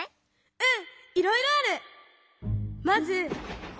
うん。